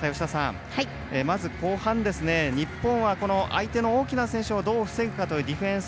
吉田さん、後半日本は相手の大きな選手をどう防ぐかというディフェンス。